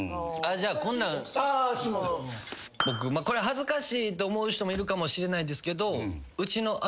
これ恥ずかしいと思う人もいるかもしれないですけどうちの。